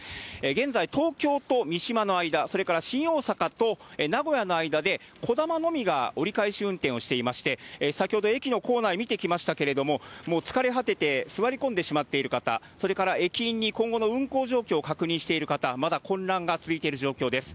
現在、東京と三島の間、それから新大阪と名古屋の間で、こだまのみが折り返し運転をしていまして、先ほど、駅の構内見てきましたけれども、もう疲れ果てて座り込んでしまっている方、それから駅員に今後の運行状況確認している方、まだ混乱が続いている状況です。